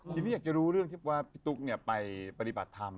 ทีนี้อยากจะรู้เรื่องที่ว่าพี่ตุ๊กไปปฏิบัติธรรม